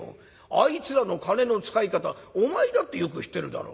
あいつらの金の使い方お前だってよく知ってるだろ。